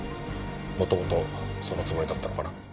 もともとそのつもりだったのかな？